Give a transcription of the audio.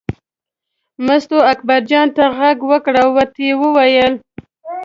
مستو اکبرجان ته غږ وکړ او ورته یې وویل.